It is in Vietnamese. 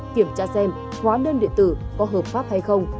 kiểm tra xem hóa đơn điện tử có hợp pháp hay không